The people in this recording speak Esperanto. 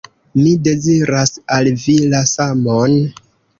Mi deziras al vi la samon!